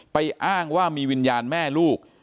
อ้างว่ามีวิญญาณแม่ลูก